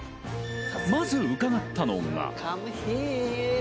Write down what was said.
まず伺ったのが。